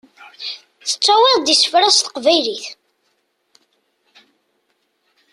Tettawiḍ-d isefra s teqbaylit.